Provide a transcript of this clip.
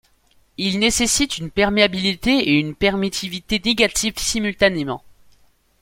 Ils nécessitent une perméabilité et une permittivité négatives simultanément.